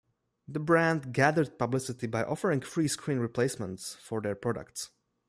The brand gathered publicity by offering free screen replacements for their products.